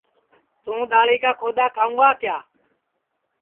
تُوں دؔاݪی کا کھودؔا کھاؤں گا کِیا